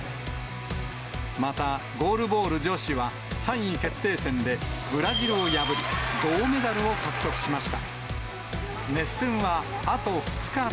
また、ゴールボール女子は３位決定戦でブラジルを破り、銅メダルを獲得しました。